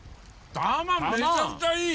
タマンめちゃくちゃいい！